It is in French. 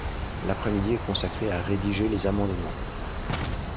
L'après-midi est consacrée à rédiger les amendements.